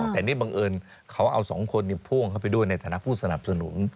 แต่นี่บังเอิญเขาเอาสองคนพ่วงเข้าไปด้วยในฐานะผู้สนับสนุน